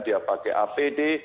dia pakai apd